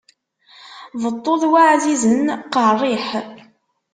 Beṭṭu d waɛzizen, qeṛṛiḥ.